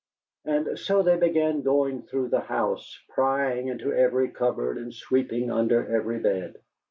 And so they began going through the house, prying into every cupboard and sweeping under every bed.